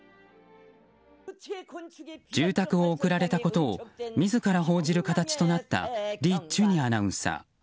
住宅を贈られたことを自ら報じる形となったリ・チュニアナウンサー。